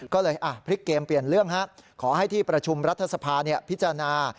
ก็เลยพลิกเกมเปลี่ยนเรื่องขอให้ที่ประชุมรัฐสภาพิจารณา